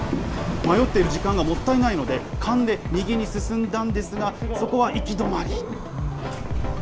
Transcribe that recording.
迷っている時間がもったいないので勘で右に進んたんですがそこは行き止まり。